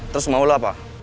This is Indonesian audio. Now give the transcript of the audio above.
terus mau lo apa